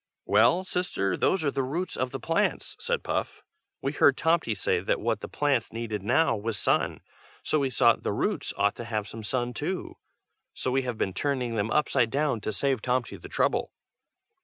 "Well, sister, those are the roots of the plants," said Puff. "We heard Tomty say that what the plants needed now was sun, and so we thought the roots ought to have some sun too. So we have been turning them upside down to save Tomty the trouble."